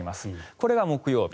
これが木曜日。